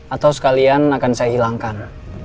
atau sekalian akan saya hilangkan